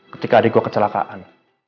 ketika ada gue kecelakaan